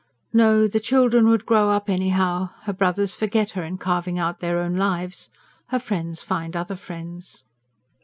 No, the children would grow up anyhow; her brothers forget her in carving out their own lives; her friends find other friends.